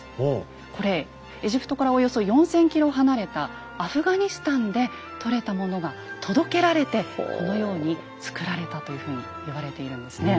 これエジプトからおよそ４，０００ｋｍ離れたアフガニスタンで採れたものが届けられてこのように作られたというふうに言われているんですね。